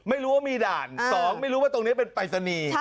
ไม่รู้ว่ามีด่าน๒ไม่รู้ว่าตรงนี้เป็นปรายศนีย์